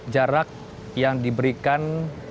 jarak yang diberikan